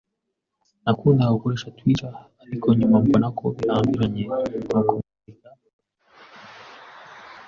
Nakundaga gukoresha Twitter, ariko nyuma mbona ko birambiranye, nuko mpagarika kuyikoresha.